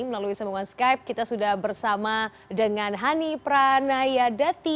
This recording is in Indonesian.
melalui semangat skype kita sudah bersama dengan hani pranaya dati